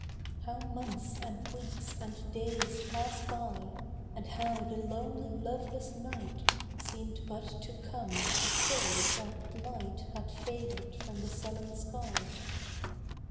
How months and weeks and days pass'd by, And how the lonely loveless night Seem'd but to come to say that light Had faded from the sullen sky.